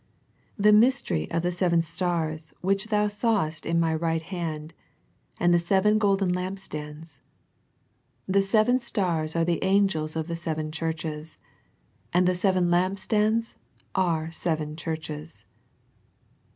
The mystery of the seven stars which thou sawest in My right hand, and the seven golden lampstands. The seven stars are the angels of the seven churches : and the seven lampstands are seven churches."